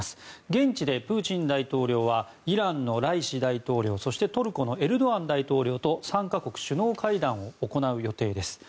現地でプーチン大統領はイランのライシ大統領そしてトルコのエルドアン大統領と３か国首脳会談を行う予定です。